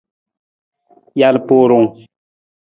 Jalpurung.